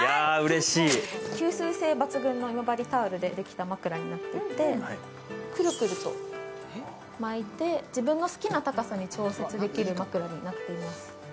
吸水性抜群の今治タオルでできていてくるくると巻いて自分の好きな高さに調節できる枕になっています。